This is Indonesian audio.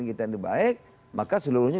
pikir kita yang lebih baik maka seluruhnya